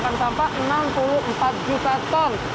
bahkan sampah enam puluh empat juta ton